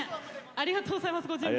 ありがとうございますご準備。